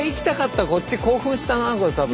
こっち興奮したなこれ多分。